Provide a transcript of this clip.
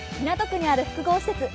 港区にある複合施設